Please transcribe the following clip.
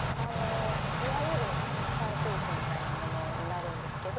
いわゆるパイプ椅子みたいなものになるんですけど。